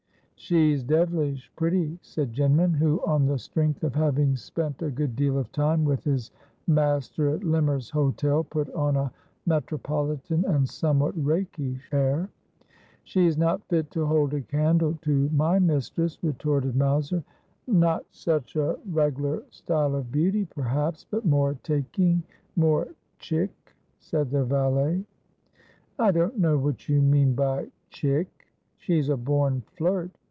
' She's dev'lish pretty,' said Jinman, who, on the strength of '/ deme that Hire Ilerte icas Ful of Wo.' 209 having spent a good deal of time with his master at Limmer's Hotel, put on a metropolitan and somewhat rakish air. ' She's not fit to hold a candle to my mistress,' retorted Mowser. ' Not such a reg'lar style of beauty, perhaps, but more taking, more " chick," ' said the valet. ' I don't know what you mean by " chick." She's a born flirt.